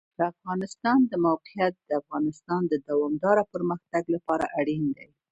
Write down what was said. د افغانستان د موقعیت د افغانستان د دوامداره پرمختګ لپاره اړین دي.